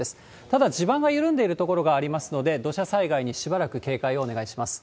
ただ、地盤が緩んでいる所がありますので、土砂災害にしばらく警戒をお願いします。